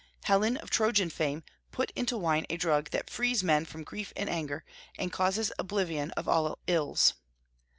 Helen, of Trojan fame, put into wine a drug that "frees man from grief and anger, and causes oblivion of all ills."